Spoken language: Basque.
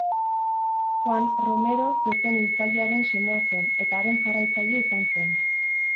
Juan Romero zezen-hiltzailearen semea zen, eta haren jarraitzaile izan zen.